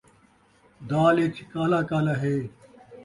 دال ءِچ کالا کالا ہے